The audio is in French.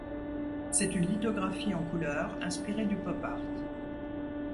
C'est une lithographie en couleurs inspiré du pop art.